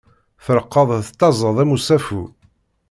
Treqqeḍ tettaẓeḍ am usafu.